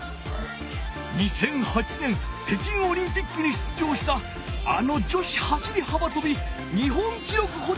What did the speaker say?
２００８年北京オリンピックに出場したあの女子走り幅とび日本きろくほじ